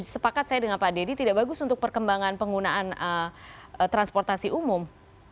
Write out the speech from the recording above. sepakat saya dengan pak deddy tidak bagus untuk perkembangan penggunaan transportasi umum